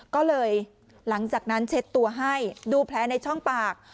ก็เลยหลังจากนั้นเช็ดตัวให้ดูแผลในช่องปาก